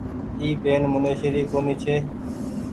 اي پين منيشي ري ڪونيٚ ڇي۔